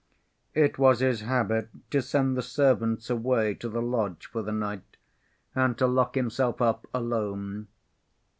It was his habit to send the servants away to the lodge for the night and to lock himself up alone.